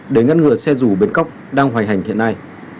để ngăn ngừa xe rủ bến cóc đang hoành hành hiện nay